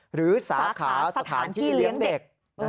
หรือสาขาสถานที่เลี้ยงเด็ก